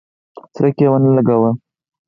څرک یې ونه لګاوه.